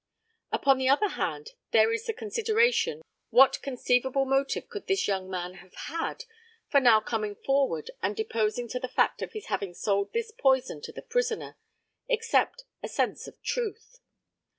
Upon the other hand, there is the consideration, what conceivable motive could this young man have had for now coming forward and deposing to the fact of his having sold this poison to the prisoner, except a sense of truth.